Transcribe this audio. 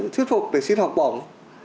thuyết phục để xin học bổng